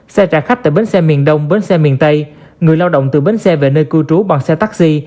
xe trả khách tại bến xe miền đông bến xe miền tây người lao động từ bến xe về nơi cư trú bằng xe taxi